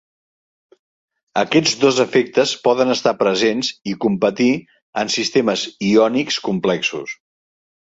Aquests dos efectes poden estar presents i competir en sistemes iònics complexos.